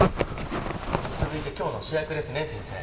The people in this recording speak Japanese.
続いて今日の主役ですね先生。